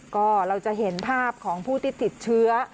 ก็เราจะเห็นภาพของผู้ที่ติดเชื้อ